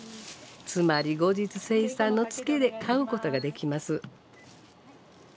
つまり後日精算のツケで買うことができます。